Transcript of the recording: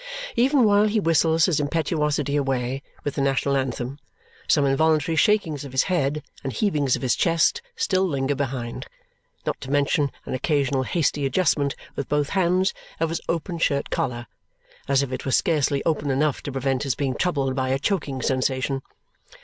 Even while he whistles his impetuosity away with the national anthem, some involuntary shakings of his head and heavings of his chest still linger behind, not to mention an occasional hasty adjustment with both hands of his open shirt collar, as if it were scarcely open enough to prevent his being troubled by a choking sensation.